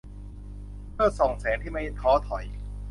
เพื่อส่องแสงที่ไม่ท้อถอย